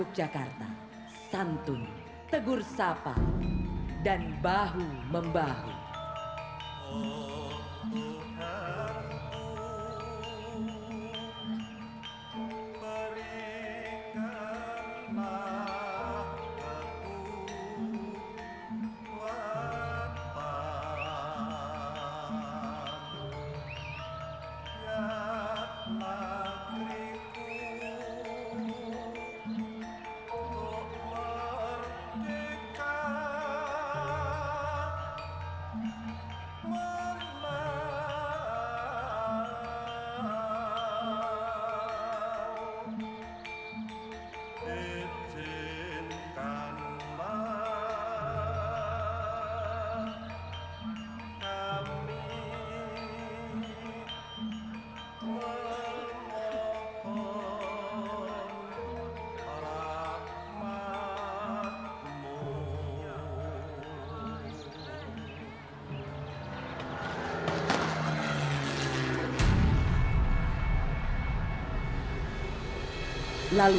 berkenan istirahat sejenak